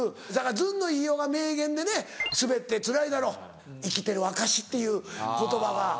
ずんの飯尾が名言でね「スベってつらいだろ生きてる証し」っていう言葉が。